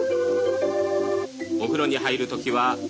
「お風呂に入る時はそう。